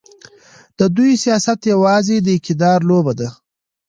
د دوی سیاست یوازې د اقتدار لوبه ده.